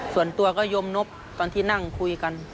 ส่วนตัวก็ยมนบตอนที่นั่งคุยกัน